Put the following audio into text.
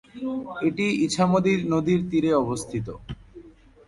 এটি ইছামতি নদীর তীরে অবস্থিত।